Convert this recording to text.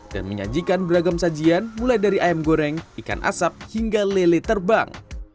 dan menyajikan beragam sajian mulai dari ayam goreng ikan asap hingga lele terbang